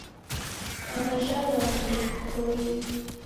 Aw'ajha w'andu ndew'ipoie.